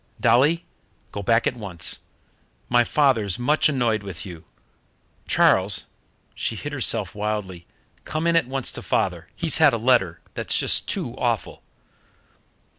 "Dolly, go back at once! My father's much annoyed with you. Charles" she hit herself wildly "come in at once to Father. He's had a letter that's too awful."